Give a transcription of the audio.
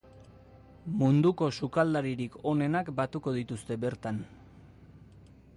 Munduko sukaldaririk onenak batuko dituzte bertan.